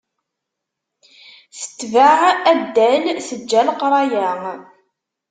Tetbeε addal, teǧǧa leqraya.